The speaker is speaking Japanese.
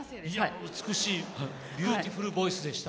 美しいビューティフルボイスでした。